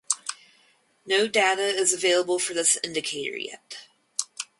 No data is available for this indicator yet.